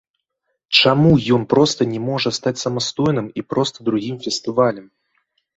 Чаму ён проста не можа стаць самастойным, і проста другім фестывалем?